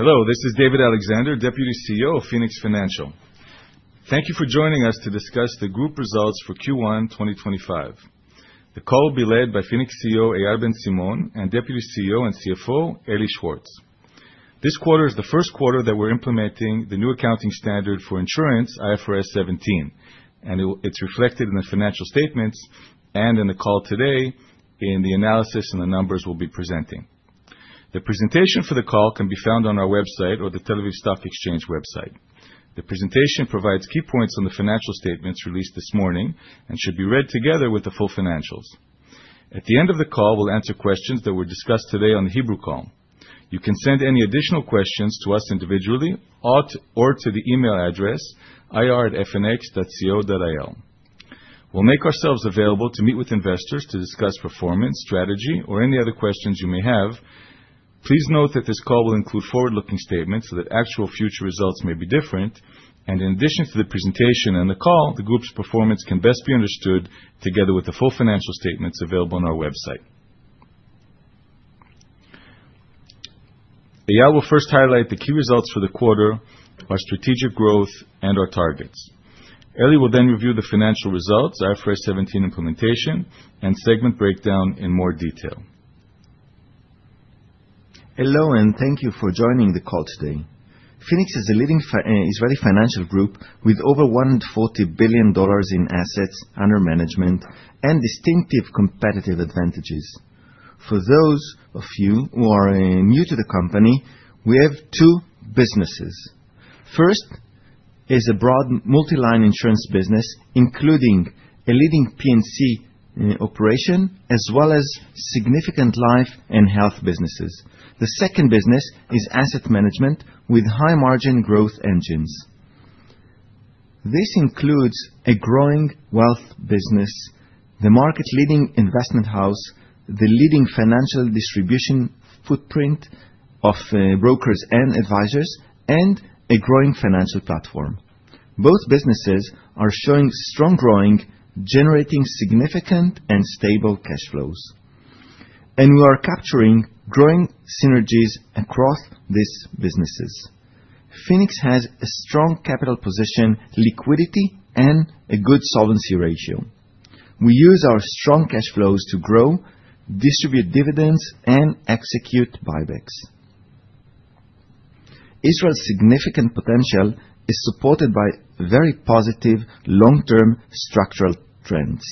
Hello, this is David Alexander, Deputy CEO of Phoenix Financial. Thank you for joining us to discuss the group results for Q1 2025. The call will be led by Phoenix CEO Eyal Ben Simon and Deputy CEO and CFO Eli Schwartz. This quarter is the first quarter that we're implementing the new accounting standard for insurance, IFRS 17, and it's reflected in the financial statements and in the call today in the analysis and the numbers we'll be presenting. The presentation for the call can be found on our website or the Tel Aviv Stock Exchange website. The presentation provides key points on the financial statements released this morning and should be read together with the full financials. At the end of the call, we'll answer questions that were discussed today on the Hebrew call. You can send any additional questions to us individually or to the email address ir@fnx.co.il. We'll make ourselves available to meet with investors to discuss performance, strategy, or any other questions you may have. Please note that this call will include forward-looking statements, so that actual future results may be different. In addition to the presentation and the call, the group's performance can best be understood together with the full financial statements available on our website. Eyal will first highlight the key results for the quarter, our strategic growth, and our targets. Eli will then review the financial results, IFRS 17 implementation, and segment breakdown in more detail. Hello, thank you for joining the call today. Phoenix is a leading Israeli financial group with over $140 billion in AUM and distinctive competitive advantages. For those of you who are new to the company, we have two businesses. First is a broad multi-line insurance business, including a leading P&C operation as well as significant life and health businesses. The second business is asset management with high-margin growth engines. This includes a growing wealth business, the market-leading investment house, the leading financial distribution footprint of brokers and advisors, and a growing financial platform. Both businesses are showing strong growing, generating significant and stable cash flows. We are capturing growing synergies across these businesses. Phoenix has a strong capital position, liquidity, and a good solvency ratio. We use our strong cash flows to grow, distribute dividends, and execute buybacks. Israel's significant potential is supported by very positive long-term structural trends.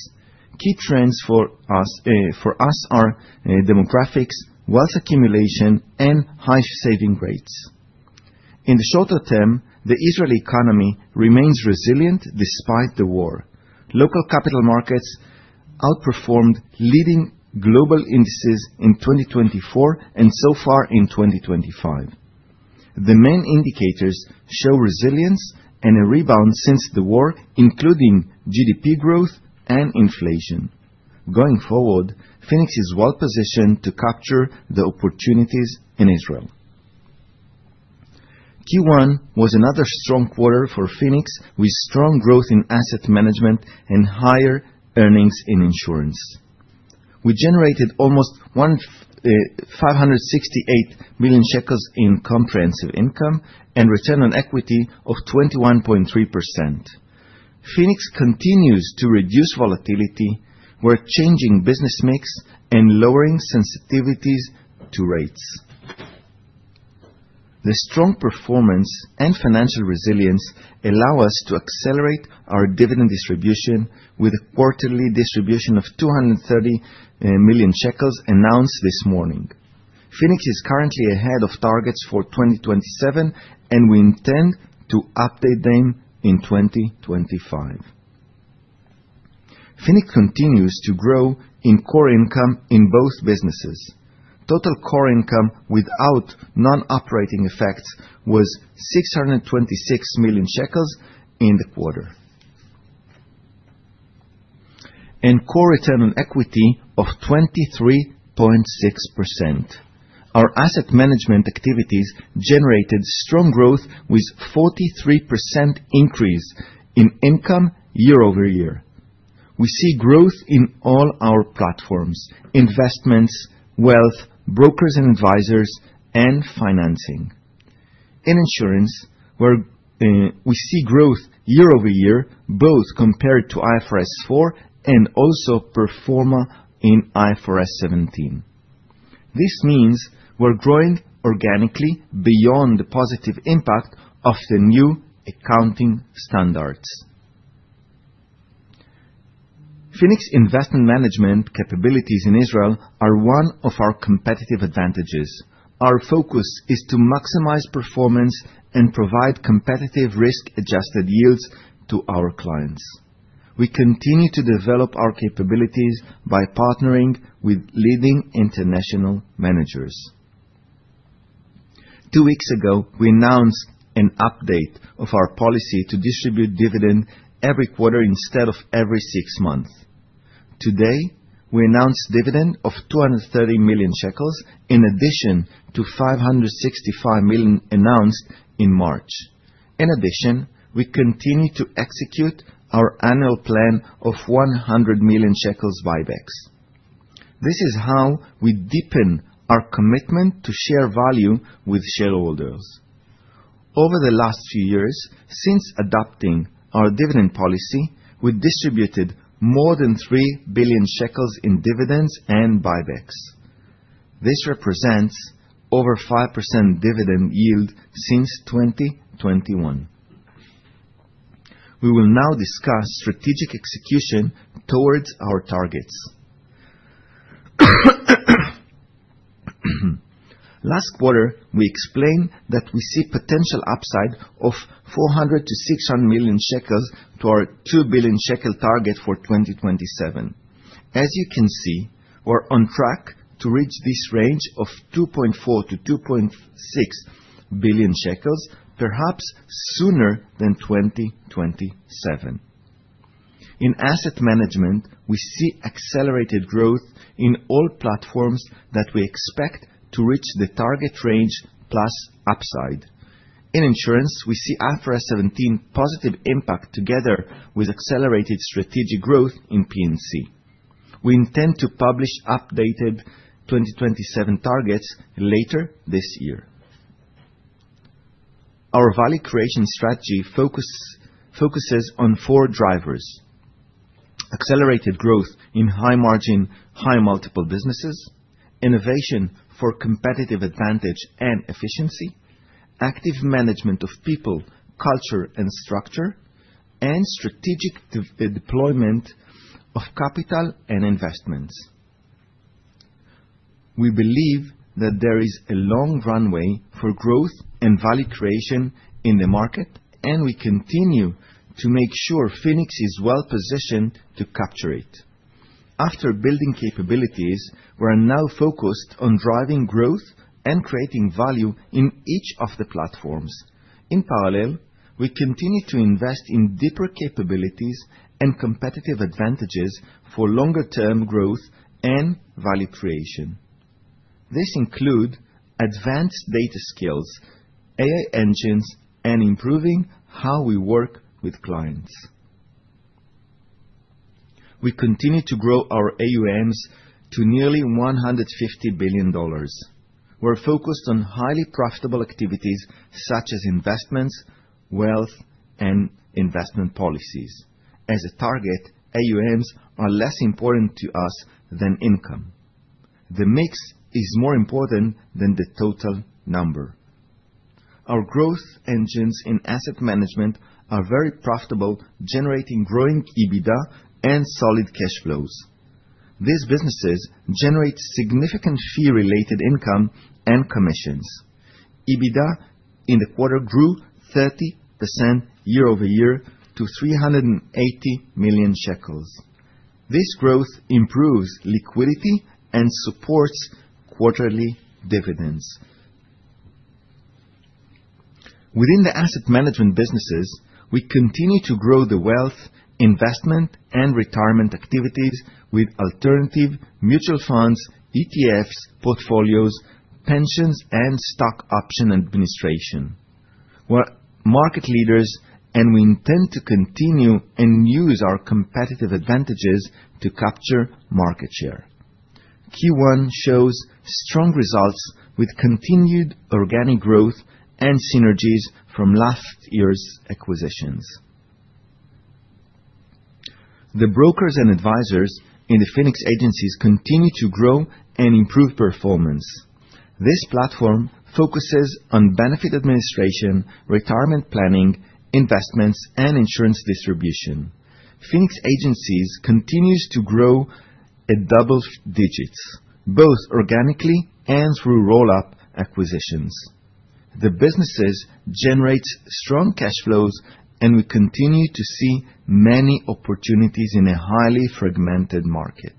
Key trends for us are demographics, wealth accumulation, and high saving rates. In the shorter term, the Israeli economy remains resilient despite the war. Local capital markets outperformed leading global indices in 2024 and so far in 2025. The main indicators show resilience and a rebound since the war, including GDP growth and inflation. Going forward, Phoenix is well-positioned to capture the opportunities in Israel. Q1 was another strong quarter for Phoenix, with strong growth in asset management and higher earnings in insurance. We generated almost 568 million shekels in comprehensive income and return on equity of 21.3%. Phoenix continues to reduce volatility. We're changing business mix and lowering sensitivities to rates. The strong performance and financial resilience allow us to accelerate our dividend distribution with a quarterly distribution of 230 million shekels announced this morning. Phoenix is currently ahead of targets for 2027. We intend to update them in 2025. Phoenix continues to grow in core income in both businesses. Total core income without non-operating effects was 626 million shekels in the quarter. Core return on equity of 23.6%. Our asset management activities generated strong growth with 43% increase in income year-over-year. We see growth in all our platforms: investments, wealth, brokers and advisors, and financing. In insurance, we see growth year-over-year, both compared to IFRS 4 and also pro forma in IFRS 17. This means we're growing organically beyond the positive impact of the new accounting standards. Phoenix investment management capabilities in Israel are one of our competitive advantages. Our focus is to maximize performance and provide competitive risk-adjusted yields to our clients. We continue to develop our capabilities by partnering with leading international managers. Two weeks ago, we announced an update of our policy to distribute dividend every quarter instead of every six months. Today, we announced dividend of 230 million shekels in addition to 565 million announced in March. We continue to execute our annual plan of 100 million shekels buybacks. This is how we deepen our commitment to share value with shareholders. Over the last few years, since adopting our dividend policy, we distributed more than 3 billion shekels in dividends and buybacks. This represents over 5% dividend yield since 2021. We will now discuss strategic execution towards our targets. Last quarter, we explained that we see potential upside of 400 million-600 million shekels to our 2 billion shekel target for 2027. As you can see, we're on track to reach this range of 2.4 billion-2.6 billion shekels, perhaps sooner than 2027. In asset management, we see accelerated growth in all platforms that we expect to reach the target range plus upside. In insurance, we see IFRS 17 positive impact together with accelerated strategic growth in P&C. We intend to publish updated 2027 targets later this year. Our value creation strategy focuses on four drivers: accelerated growth in high-margin, high-multiple businesses; innovation for competitive advantage and efficiency; active management of people, culture, and structure; and strategic deployment of capital and investments. We believe that there is a long runway for growth and value creation in the market. We continue to make sure Phoenix is well positioned to capture it. After building capabilities, we are now focused on driving growth and creating value in each of the platforms. In parallel, we continue to invest in deeper capabilities and competitive advantages for longer-term growth and value creation. These include advanced data skills, AI engines, and improving how we work with clients. We continue to grow our AUMs to nearly $150 billion. We're focused on highly profitable activities such as investments, wealth, and investment policies. As a target, AUMs are less important to us than income. The mix is more important than the total number. Our growth engines in asset management are very profitable, generating growing EBITDA and solid cash flows. These businesses generate significant fee-related income and commissions. EBITDA in the quarter grew 30% year-over-year to 380 million shekels. This growth improves liquidity and supports quarterly dividends. Within the asset management businesses, we continue to grow the wealth, investment, and retirement activities with alternative mutual funds, ETFs, portfolios, pensions, and stock option administration. We're market leaders. We intend to continue and use our competitive advantages to capture market share. Q1 shows strong results with continued organic growth and synergies from last year's acquisitions. The brokers and advisors in the Phoenix Agencies continue to grow and improve performance. This platform focuses on benefit administration, retirement planning, investments, and insurance distribution. Phoenix Agencies continues to grow at double digits, both organically and through roll-up acquisitions. The businesses generate strong cash flows, and we continue to see many opportunities in a highly fragmented market.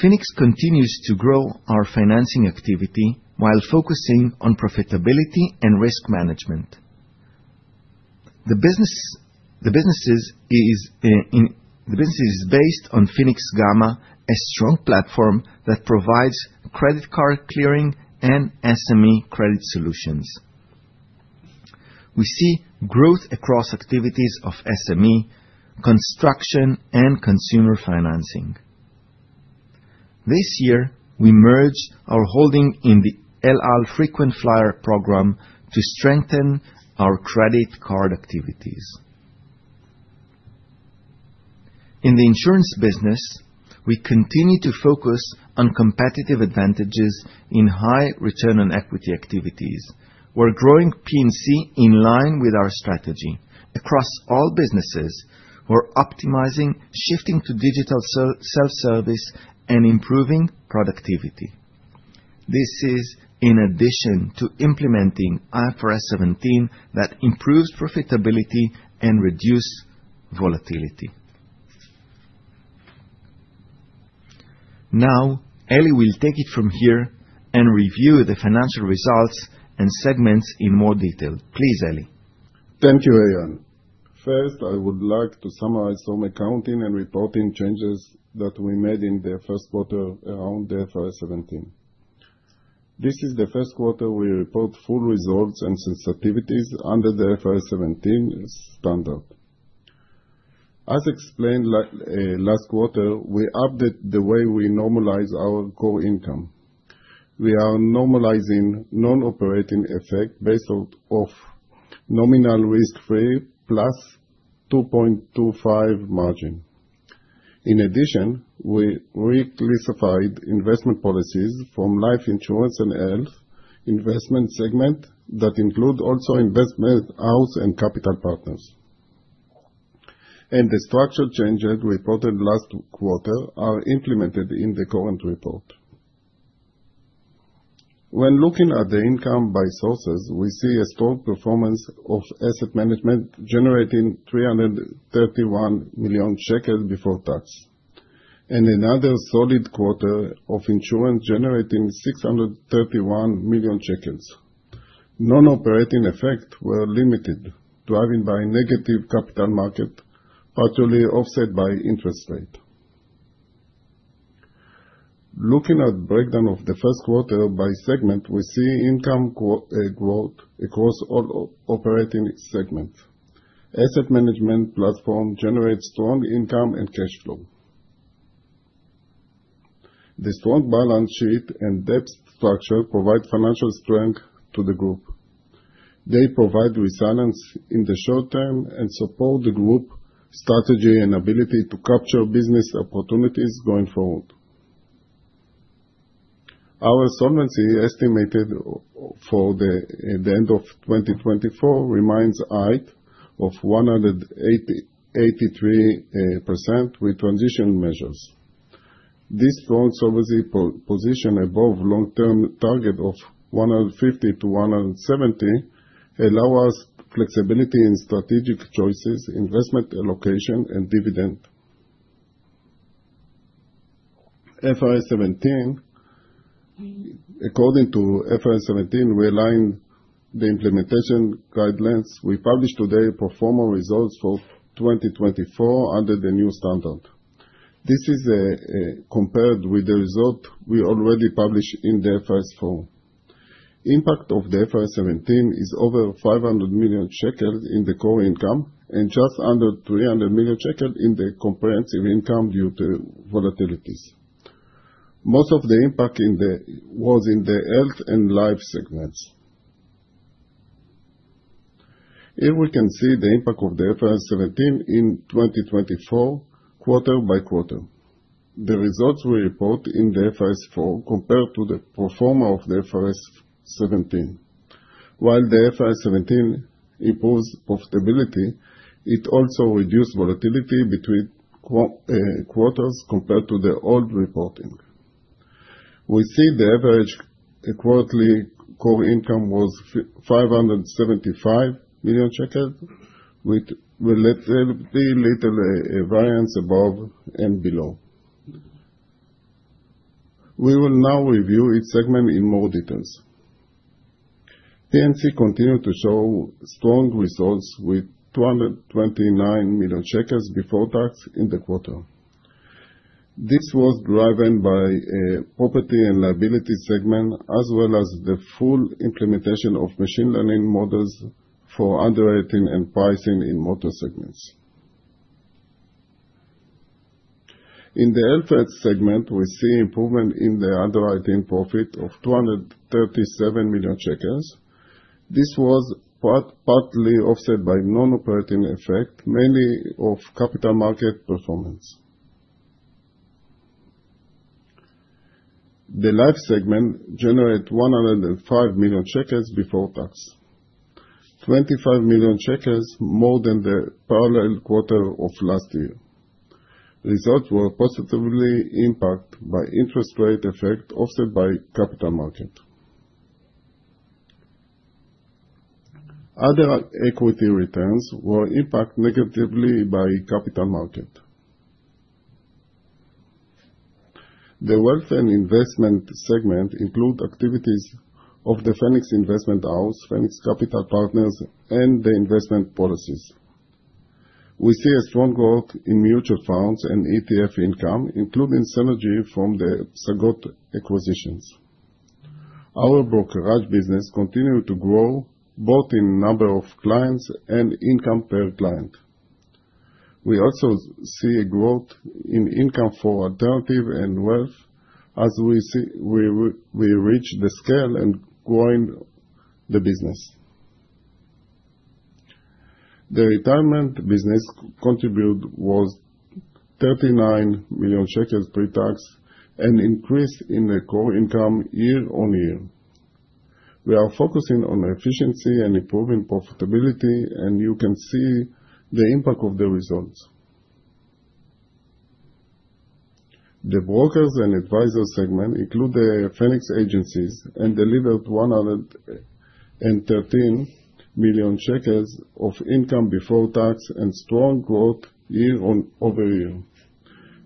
Phoenix continues to grow our financing activity while focusing on profitability and risk management. The business is based on Phoenix Gamma, a strong platform that provides credit card clearing and SME credit solutions. We see growth across activities of SME, construction, and consumer financing. This year, we merged our holding in the El Al frequent flyer program to strengthen our credit card activities. In the insurance business, we continue to focus on competitive advantages in high return on equity activities. We're growing P&C in line with our strategy. Across all businesses, we're optimizing, shifting to digital self-service, and improving productivity. This is in addition to implementing IFRS 17 that improves profitability and reduces volatility. Now, Eli will take it from here and review the financial results and segments in more detail. Please, Eli. Thank you, Eyal. First, I would like to summarize some accounting and reporting changes that we made in the first quarter around the IFRS 17. This is the first quarter we report full results and sensitivities under the IFRS 17 standard. As explained last quarter, we update the way we normalize our core income. We are normalizing non-operating effect based off nominal risk-free plus 2.25 margin. In addition, we reclassified investment policies from life insurance and health investment segment that include also Investment House and Capital Partners. The structure changes we reported last quarter are implemented in the current report. When looking at the income by sources, we see a strong performance of asset management generating 331 million shekels before tax, and another solid quarter of insurance generating 631 million shekels. Non-operating effects were limited, driven by negative capital market, partially offset by interest rate. Looking at breakdown of the first quarter by segment, we see income growth across all operating segments. Asset management platform generates strong income and cash flow. The strong balance sheet and debt structure provide financial strength to the group. They provide resilience in the short term and support the group strategy and ability to capture business opportunities going forward. Our solvency estimated for the end of 2024 remains high of 183% with transition measures. This strong solvency position above long-term target of 150%-170% allow us flexibility in strategic choices, investment allocation, and dividend. According to IFRS 17, we align the implementation guidelines. We publish today pro forma results for 2024 under the new standard. This is compared with the result we already published in the IFRS 4. Impact of the IFRS 17 is over 500 million shekels in the core income and just under 300 million shekels in the comprehensive income due to volatilities. Most of the impact was in the health and life segments. Here we can see the impact of the IFRS 17 in 2024, quarter by quarter. The results we report in the IFRS 4 compared to the pro forma of the IFRS 17. While the IFRS 17 improves profitability, it also reduce volatility between quarters compared to the old reporting. We see the average quarterly core income was 575 million shekels, with very little variance above and below. We will now review each segment in more details. P&C continued to show strong results with 229 million shekels before tax in the quarter. This was driven by a property and liability segment, as well as the full implementation of machine learning models for underwriting and pricing in motor segments. In the health segment, we see improvement in the underwriting profit of 237 million shekels. This was partly offset by non-operating effect, mainly of capital market performance. The life segment generate 105 million before tax, 25 million more than the parallel quarter of last year. Results were positively impact by interest rate effect offset by capital market. Other equity returns were impact negatively by capital market. The wealth and investment segment include activities of the Phoenix Investment House, Phoenix Capital Partners, and the investment policies. We see a strong growth in mutual funds and ETF income, including synergy from the Psagot acquisitions. Our brokerage business continued to grow both in number of clients and income per client. We also see a growth in income for alternative and wealth as we reach the scale and growing the business. The retirement business contribute was 39 million shekels pre-tax, an increase in the core income year-on-year. We are focusing on efficiency and improving profitability, and you can see the impact of the results. The brokers and advisor segment include the Phoenix Agencies and delivered 113 million shekels of income before tax and strong growth year-over-year.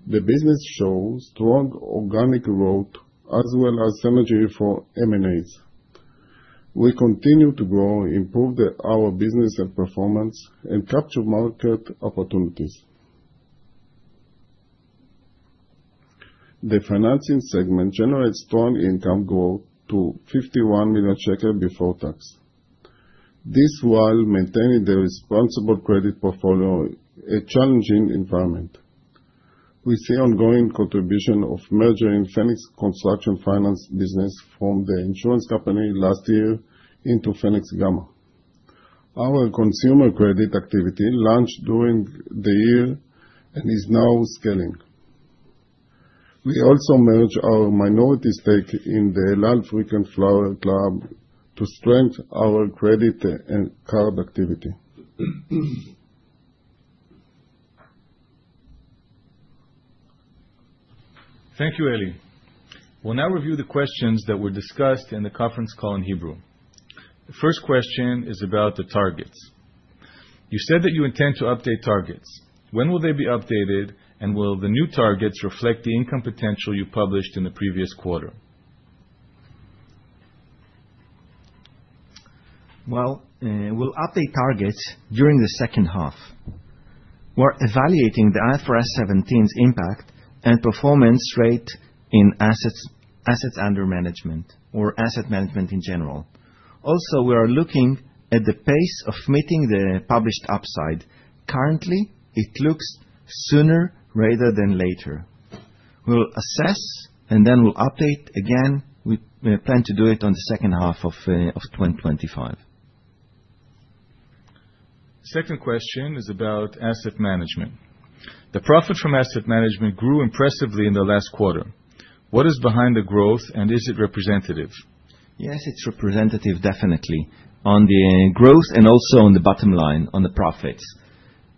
The business show strong organic growth as well as synergy for M&As. We continue to grow, improve our business and performance, and capture market opportunities. The financing segment generates strong income growth to 51 million shekel before tax. This while maintaining the responsible credit portfolio, a challenging environment. We see ongoing contribution of merging Phoenix Construction Finance business from the insurance company last year into Phoenix Gamma. Our consumer credit activity launched during the year and is now scaling. We also merge our minority stake in the El Al frequent flyer club to strengthen our credit and card activity. Thank you, Eli. We'll now review the questions that were discussed in the conference call in Hebrew. The first question is about the targets. You said that you intend to update targets. When will they be updated, and will the new targets reflect the income potential you published in the previous quarter? Well, we'll update targets during the second half. We're evaluating the IFRS 17's impact and performance rate in assets under management or asset management in general. Also, we are looking at the pace of meeting the published upside. Currently, it looks sooner rather than later. We'll assess. We'll update again. We plan to do it on the second half of 2025. Second question is about asset management. The profit from asset management grew impressively in the last quarter. What is behind the growth, and is it representative? Yes, it's representative definitely on the growth and also on the bottom line on the profits.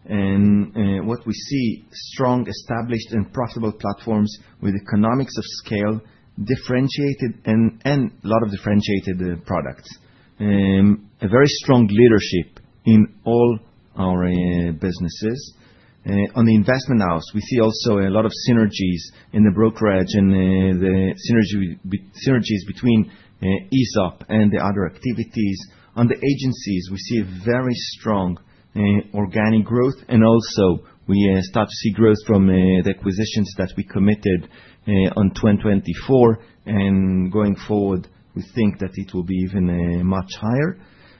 What we see, strong, established, and profitable platforms with economics of scale, and a lot of differentiated products. A very strong leadership in all our businesses. On the Investment House, we see also a lot of synergies in the brokerage and the synergies between ESOP and the other activities. On the Agencies, we see a very strong organic growth and also we start to see growth from the acquisitions that we committed on 2024. Going forward, we think that it will be even much higher.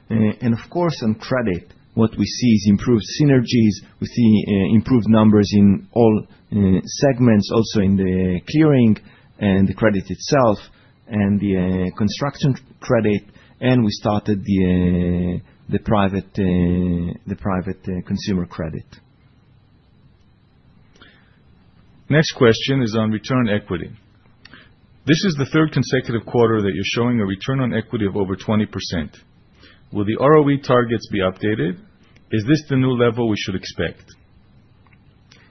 Of course, on credit, what we see is improved synergies. We see improved numbers in all segments, also in the clearing and the credit itself and the construction credit, and we started the private consumer credit. Next question is on return equity. This is the third consecutive quarter that you are showing a return on equity of over 20%. Will the ROE targets be updated? Is this the new level we should expect?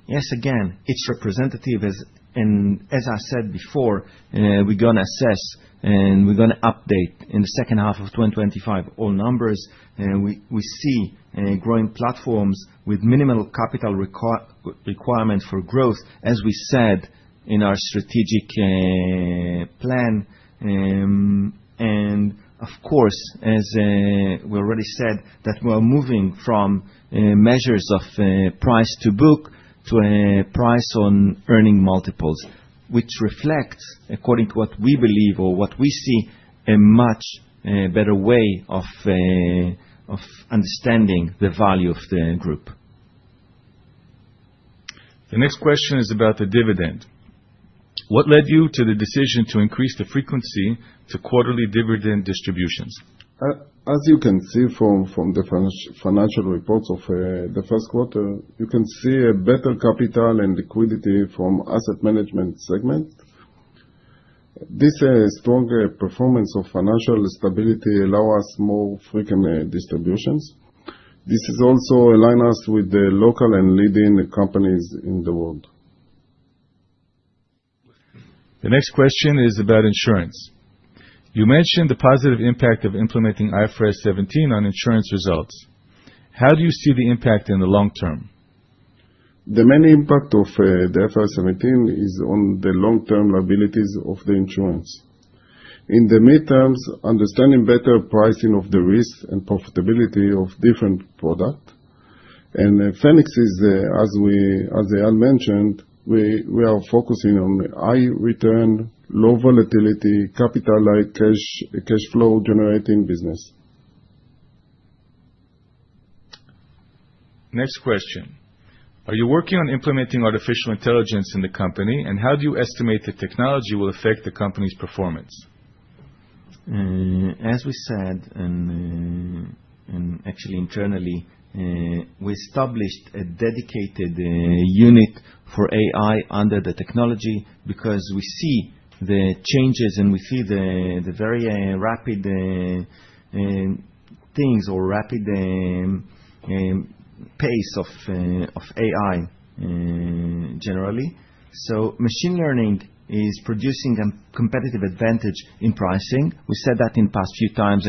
Yes, again, it is representative. As I said before, we are going to assess, and we are going to update in the second half of 2025 all numbers. We see growing platforms with minimal capital requirement for growth, as we said in our strategic plan. Of course, as we already said, that we are moving from measures of price to book to price on earning multiples, which reflects, according to what we believe or what we see, a much better way of understanding the value of the group. The next question is about the dividend. What led you to the decision to increase the frequency to quarterly dividend distributions? As you can see from the financial reports of the first quarter, you can see a better capital and liquidity from asset management segment. This strong performance of financial stability allow us more frequent distributions. This is also align us with the local and leading companies in the world. The next question is about insurance. You mentioned the positive impact of implementing IFRS 17 on insurance results. How do you see the impact in the long term? The main impact of the IFRS 17 is on the long-term liabilities of the insurance. In the mid terms, understanding better pricing of the risk and profitability of different product. Phoenix is, as Eyal mentioned, we are focusing on high return, low volatility, capital-light, cash flow generating business. Next question. Are you working on implementing artificial intelligence in the company? How do you estimate the technology will affect the company's performance? As we said, actually internally, we established a dedicated unit for AI under the technology because we see the changes and we see the very rapid things or rapid pace of AI, generally. Machine learning is producing a competitive advantage in pricing. We said that in past few times,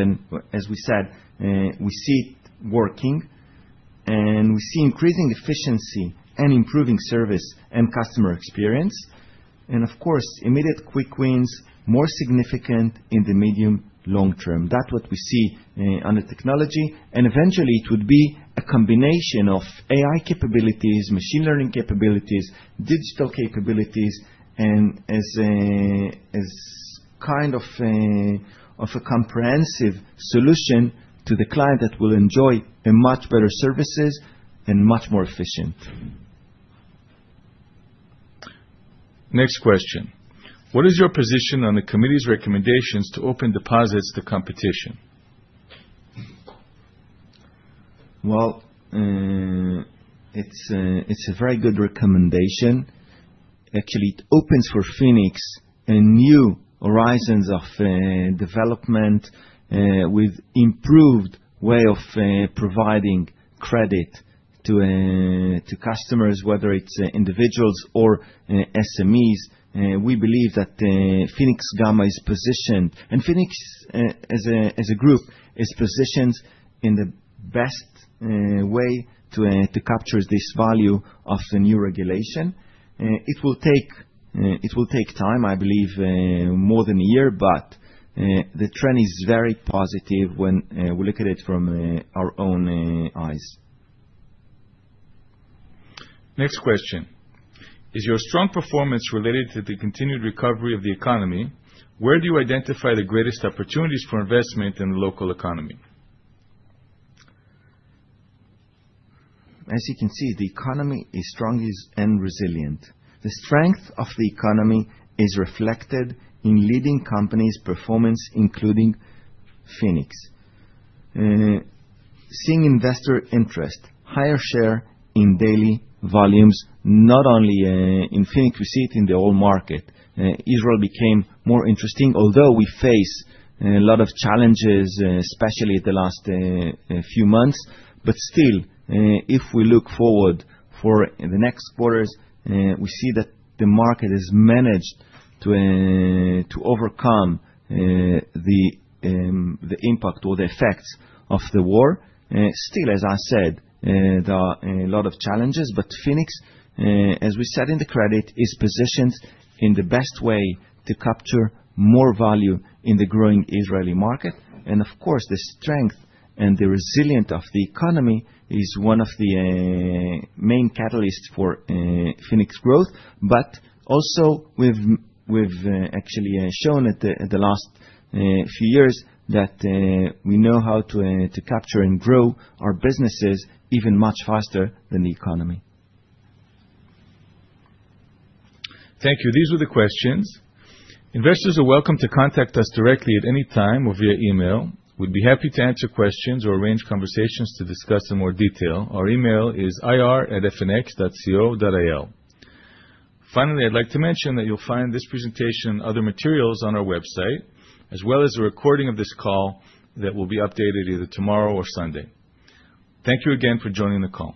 as we said, we see it working, and we see increasing efficiency and improving service and customer experience. Of course, immediate quick wins, more significant in the medium long term. That's what we see on the technology, eventually it would be a combination of AI capabilities, machine learning capabilities, digital capabilities, and as kind of a comprehensive solution to the client that will enjoy a much better services and much more efficient. Next question. What is your position on the committee's recommendations to open deposits to competition? Well, it's a very good recommendation. Actually, it opens for Phoenix new horizons of development with improved way of providing credit to customers, whether it's individuals or SMEs. We believe that Phoenix Gamma is positioned, and Phoenix as a group is positioned in the best way to capture this value of the new regulation. It will take time, I believe more than a year, the trend is very positive when we look at it from our own eyes. Next question. Is your strong performance related to the continued recovery of the economy? Where do you identify the greatest opportunities for investment in the local economy? As you can see, the economy is strong and resilient. The strength of the economy is reflected in leading companies' performance, including Phoenix. Seeing investor interest, higher share in daily volumes, not only in Phoenix, we see it in the whole market. Israel became more interesting, although we face a lot of challenges, especially the last few months. Still, if we look forward for the next quarters, we see that the market has managed to overcome the impact or the effects of the war. Still, as I said, there are a lot of challenges, but Phoenix, as we said in the credit, is positioned in the best way to capture more value in the growing Israeli market. Of course, the strength and the resilience of the economy is one of the main catalysts for Phoenix growth. also, we've actually shown at the last few years that we know how to capture and grow our businesses even much faster than the economy. Thank you. These were the questions. Investors are welcome to contact us directly at any time or via email. We'd be happy to answer questions or arrange conversations to discuss in more detail. Our email is ir@fnx.co.il. Finally, I'd like to mention that you'll find this presentation and other materials on our website, as well as a recording of this call that will be updated either tomorrow or Sunday. Thank you again for joining the call.